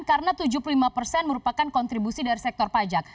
karena tujuh puluh lima persen merupakan kontribusi dari sektor pajak